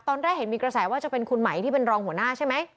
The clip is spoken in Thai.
ตอนแรกเห็นมีกระแสว่าจะเป็นคุณไหมที่เป็นรองหัวหน้าใช่ไหม